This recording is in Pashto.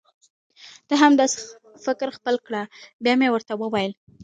ته هم دا سي فکر خپل کړه بیا مي ورته وویل: